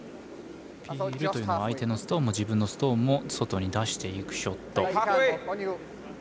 ピールというのは相手のストーンも自分のストーンも外に出していくショット。